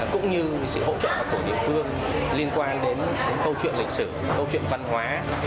cũng như sự hỗ trợ của địa phương liên quan đến câu chuyện lịch sử câu chuyện văn hóa